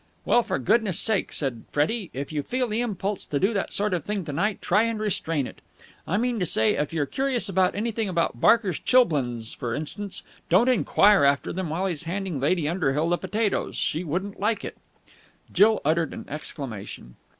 "Well, for goodness' sake," said Freddie, "if you feel the impulse to do that sort of thing to night, try and restrain it. I mean to say, if you're curious to know anything about Barker's chilblains, for instance, don't enquire after them while he's handing Lady Underhill the potatoes! She wouldn't like it." Jill uttered an exclamation.